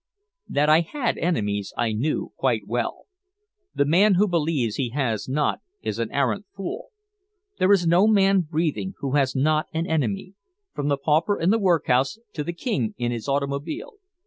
That I had enemies I knew quite well. The man who believes he has not is an arrant fool. There is no man breathing who has not an enemy, from the pauper in the workhouse to the king in his automobile.